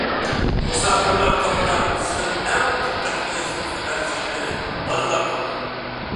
مۇساپىرلار توپىدا بىزنىڭ ئەڭ دىققەت قىلىشىمىزغا ئەرزىيدىغىنى بالىلار توپى.